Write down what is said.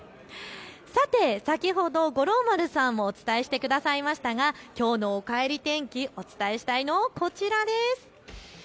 さて先ほど五郎丸さんもお伝えしてくださいましたがきょうのおかえり天気、お伝えしたいのはこちらです。